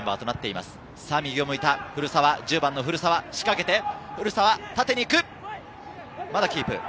まだキープ。